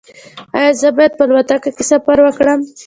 ایا زه باید په الوتکه کې سفر وکړم؟